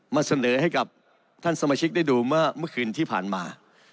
มาเสนอให้กับท่านสมาชิกได้ดูเมื่อคืนที่ผ่านมา